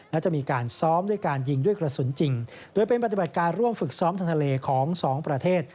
และจะมีการซ้อมด้วยการยิงด้วยกระสุนจริงโดยเป็นปฏิบัติการร่วมฝึกซ้อมทางทะเลของสองประเทศ